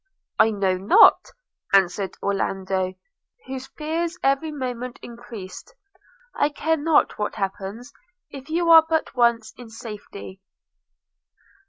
'I know not,' answered Orlando, whose fears every moment increased; 'I care not what happens if you are but once in safety.'